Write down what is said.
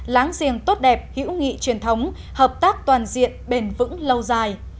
láng giềng tốt đẹp hữu nghị truyền thống hợp tác toàn diện bền vững lâu dài